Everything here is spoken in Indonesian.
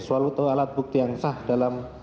suatu alat bukti yang sah dalam